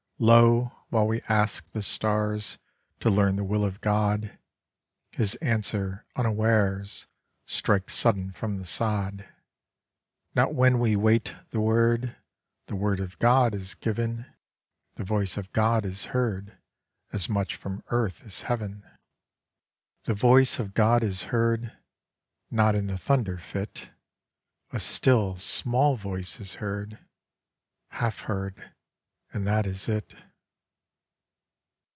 Lo, while we ask the stars To learn the will of God, His answer unawares Strikes sudden from the sod. Not when we wait the word The word of God is giv'n; The voice of God is heard As much from earth as heav'n. The voice of God is heard Not in the thunder fit; A still small voice is heard, Half heard, and that is it.